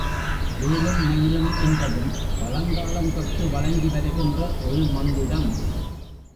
வேலும் மயிலும் என்பதும் பழங்காலம் தொட்டு வழங்கி வருகின்ற ஒரு மந்திரம்.